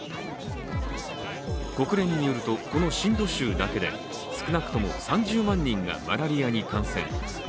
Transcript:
国連によると、このシンド州だけで少なくとも３０万人がマラリアに感染。